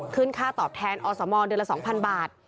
ขึ้นค่าตอบแทนอสมอลเดือนละ๒๐๐๐บาท